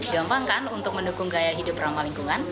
gampang kan untuk mendukung gaya hidup ramah lingkungan